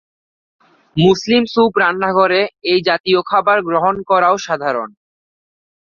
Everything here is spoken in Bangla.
মুসলিম স্যুপ রান্নাঘরে এ জাতীয় খাবার গ্রহণ করাও সাধারণ।